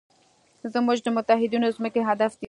زموږ د متحدینو ځمکې هدف دی.